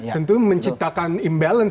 tentu menciptakan imbalance